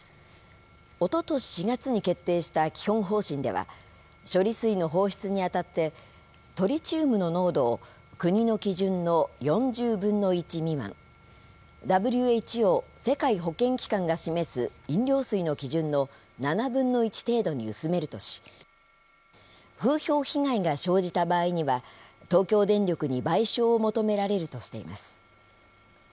おととし４月に決定した基本方針では、処理水の放出にあたって、トリチウムの濃度を国の基準の４０分の１未満、ＷＨＯ・世界保健機関が示す飲料水の基準の７分の１程度に薄めるとし、風評被害が生じた場合には、東京電力に賠償を求められるとしています。